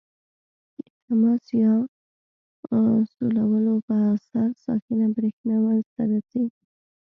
د تماس یا سولولو په اثر ساکنه برېښنا منځ ته راځي.